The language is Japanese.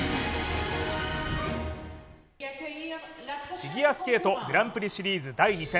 フィギュアスケートグランプリシリーズ第２戦。